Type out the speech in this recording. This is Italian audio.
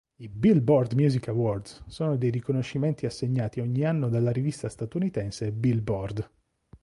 I "Billboard" Music Awards sono dei riconoscimenti assegnati ogni anno dalla rivista statunitense "Billboard".